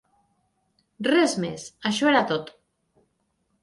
Res més, això era tot.